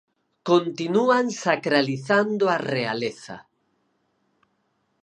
"Continúan sacralizando a realeza".